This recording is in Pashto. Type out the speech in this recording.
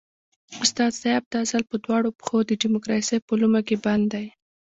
استاد سیاف دا ځل په دواړو پښو د ډیموکراسۍ په لومه کې بند دی.